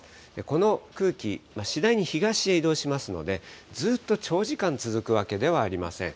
この空気、次第に東へ移動しますので、ずっと長時間続くわけではありません。